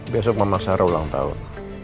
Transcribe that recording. biasa mama sarah ulang tahun